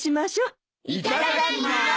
いただきます。